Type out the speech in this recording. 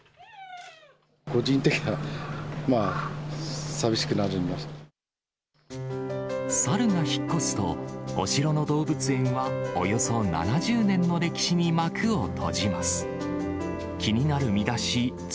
個人的には、まあ、寂しくなサルが引っ越すと、お城の動物園は、およそ７０年の歴史に幕を閉じます。